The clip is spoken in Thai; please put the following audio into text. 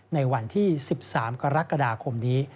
ในวันที่๑๓กรกฎาคมนี้